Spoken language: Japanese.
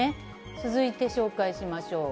続いて紹介しましょう。